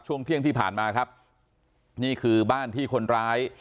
ช่วงเที่ยงที่ผ่านมาครับนี่คือบ้านที่คนร้าย